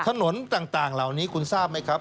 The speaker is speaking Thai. ถนนต่างเหล่านี้คุณทราบไหมครับ